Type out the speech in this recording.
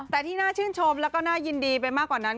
แต่ที่น่าชื่นชมแล้วก็น่ายินดีไปมากกว่านั้น